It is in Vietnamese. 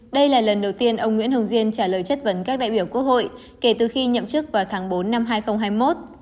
đây là lần đầu tiên ông nguyễn hồng diên trả lời chất vấn các đại biểu quốc hội kể từ khi nhậm chức vào tháng bốn năm hai nghìn hai mươi một